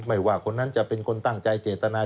ไม่ว่าคนนั้นจะเป็นคนตั้งใจเจตนา